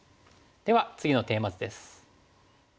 では次のテーマ図です。